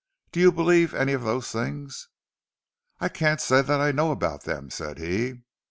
Do you believe any of those things?" "I can't say that I know about them," said he.